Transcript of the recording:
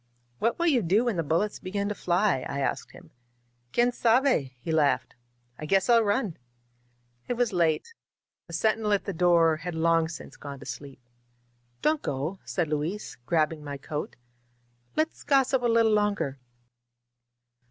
"What will you do when the bullets begin to fly?" I asked him. '*Quien sabef" he laughed. "I guess I'll run!" It was late. The sentinel at the door had long since 67 INSURGENT MEXICO gone to sleep. ^^DonH go," said Luis, grabbing my coat. ^^Let's gossip a little longer.